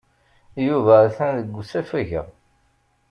Yuba atan deg usafag-a.